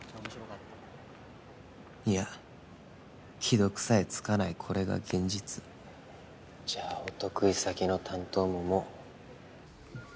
いや既読さえ付かないこれが現実じゃあお得意先の担当ももう。